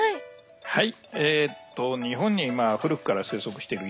はい！